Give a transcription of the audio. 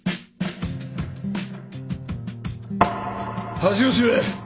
恥を知れ！